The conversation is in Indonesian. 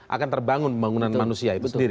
akan terbangun pembangunan manusia itu sendiri